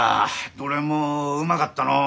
どれもうまかったのう。